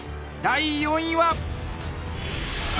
第４位は。